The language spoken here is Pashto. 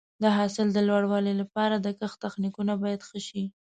د حاصل د لوړوالي لپاره د کښت تخنیکونه باید ښه شي.